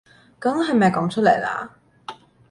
梗係咪講出嚟啦